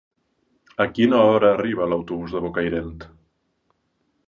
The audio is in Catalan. A quina hora arriba l'autobús de Bocairent?